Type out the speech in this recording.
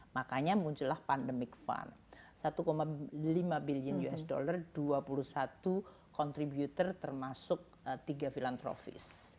makanya muncullah pandemic fund satu lima billion usd dua puluh satu contributor termasuk tiga filantrofis